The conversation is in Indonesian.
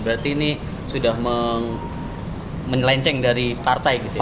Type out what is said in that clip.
berarti ini sudah menelenceng dari partai